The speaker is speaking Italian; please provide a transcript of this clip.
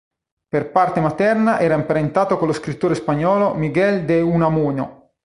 Per parte materna era imparentato con lo scrittore spagnolo Miguel de Unamuno.